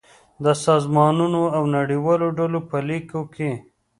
د سازمانونو او نړیوالو ډلو په ليکو کې